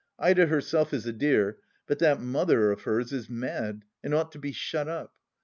Ida herself is a dear, but that mother of hers is mad, and ought to be shut up.